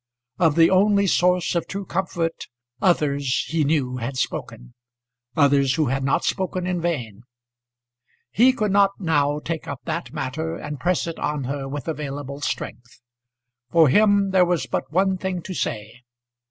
Of the only source of true comfort others, he knew, had spoken, others who had not spoken in vain. He could not now take up that matter, and press it on her with available strength. For him there was but one thing to say.